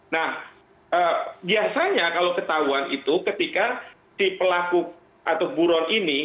nah biasanya kalau ketahuan itu ketika si pelaku atau buron ini